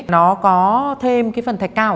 nó có thêm phần thạch cao